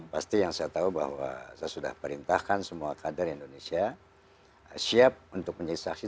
pasti yang saya tahu bahwa saya sudah perintahkan semua kader indonesia siap untuk menjadi saksi